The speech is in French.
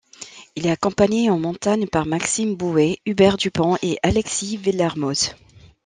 Il est accompagné en montagne par Maxime Bouet, Hubert Dupont et Alexis Vuillermoz.